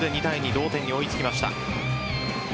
同点に追いつきました。